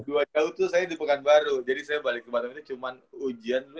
dua jauh itu saya di pekanbaru jadi saya balik ke bandung ini cuma ujian dulu